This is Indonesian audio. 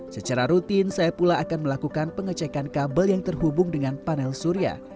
secara rutin saya pula akan melakukan pengecekan kabel yang terhubung dengan panel surya